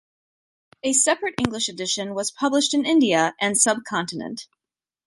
A separate English edition was published in India and Sub Continent.